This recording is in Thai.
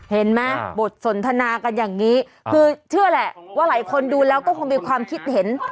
เห็นไหมบทสนทนากันอย่างนี้คือเชื่อแหละว่าหลายคนดูแล้วก็คงมีความคิดเห็น